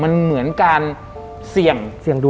มันเหมือนการเสี่ยง